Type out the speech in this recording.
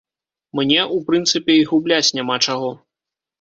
Мне, у прынцыпе, і губляць няма чаго.